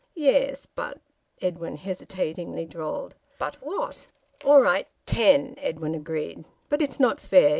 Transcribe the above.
"Yes, but " Edwin hesitatingly drawled. "But what?" "All right. Ten," Edwin agreed. "But it's not fair.